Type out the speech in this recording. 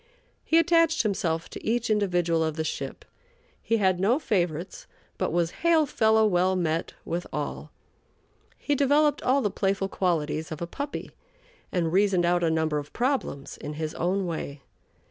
He attached himself to each individual of the ship. He had no favorites, but was hail fellow well met with all. He developed all the playful qualities of a puppy and reasoned out a number of problems in his own way.